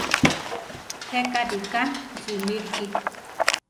Jéka riká simíliki.